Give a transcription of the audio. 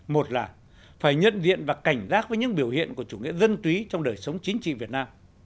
một là phải nhận diện và cảnh giác với những biểu hiện của chủ nghĩa dân túy trong đời sống chính trị việt nam